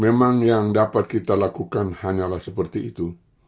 memang yang dapat kita lakukan hanyalah seperti itu